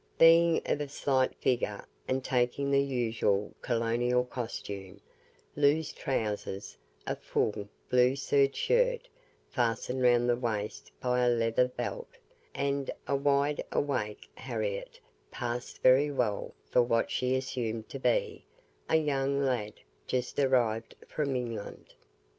Being of a slight figure, and taking the usual colonial costume loose trowsers, a full, blue serge shirt, fastened round the waist by a leather belt, and a wide awake Harriette passed very well for what she assumed to be a young lad just arrived from England.